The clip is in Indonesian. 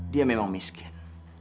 dia memang miskin